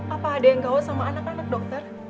apa ada yang kawat sama anak anak dokter